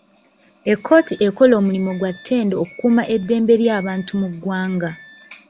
Ekkooti ekola omulimu gwa ttendo okukuuma eddembe ly'abantu mu ggwanga.